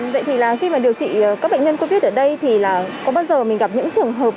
vậy thì là khi mà điều trị các bệnh nhân covid ở đây thì là có bao giờ mình gặp những trường hợp